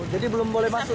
jadi belum boleh masuk